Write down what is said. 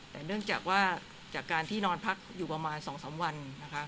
แต่เนื่องจากว่าจากการที่นอนพักอยู่ประมาณ๒๓วันนะคะ